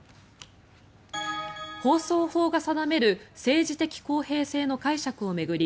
放送法が定める政治的公平性の解釈を巡り